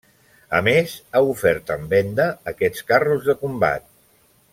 A més ha ofert en venda aquests carros de combat.